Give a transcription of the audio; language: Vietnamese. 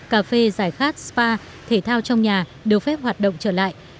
cà phê giải khát spa thể thao trong nhà đều phép hoạt động trở lại